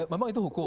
memang itu hukum